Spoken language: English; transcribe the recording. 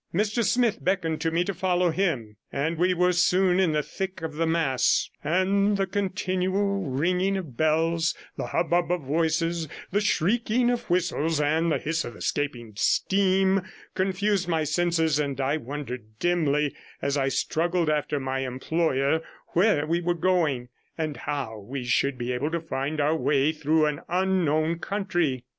Mr Smith beckoned to me to follow him, and we were soon in the thick of the mass; and the continual ringing of bells, the hubbub of voices, the shrieking of whistles, and the hiss of escaping steam, confused my senses, and I wondered dimly, as I struggled after my employer, where we were going, and how we should be able to find our way through an unknown country.